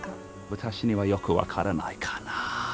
私にはよく分からないかな。